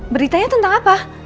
beritanya tentang apa